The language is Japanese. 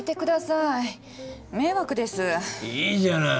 いいじゃない。